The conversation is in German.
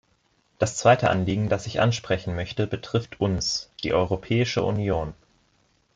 Das zweite Anliegen, das ich ansprechen möchte, betrifft uns, die Europäische Union.